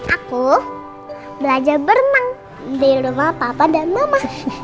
aku belajar berenang di rumah papa dan mama